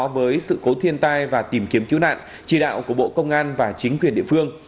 với sự cố thiên tai và tìm kiếm cứu nạn chỉ đạo của bộ công an và chính quyền địa phương